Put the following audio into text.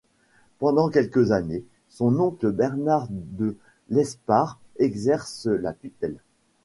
Pendant quelques années son oncle Bernard de Lesparre exerce la tutelle.